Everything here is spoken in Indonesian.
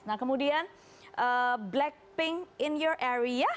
nah kemudian blackpink in your area